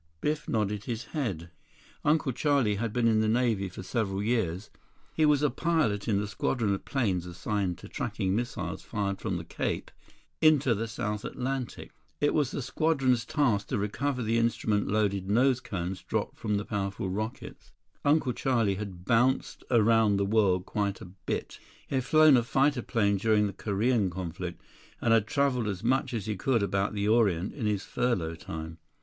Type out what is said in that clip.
11 Biff nodded his head. Uncle Charlie had been in the Navy for several years. He was a pilot in the squadron of planes assigned to tracking missiles fired from the Cape into the South Atlantic. It was the squadron's task to recover the instrument loaded nose cones dropped from the powerful rockets. Uncle Charlie had bounced around the world quite a bit. He had flown a fighter plane during the Korean conflict and had traveled as much as he could about the Orient on his furlough time.